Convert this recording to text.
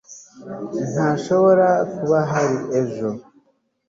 ntashobora kuba ahari ejo